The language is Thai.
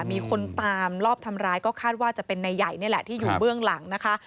มีคนตามรอบทำร้ายก็คาดว่าจะเป็นนายใหญ่นี่แหละที่อยู่เบื้องหลังนะคะ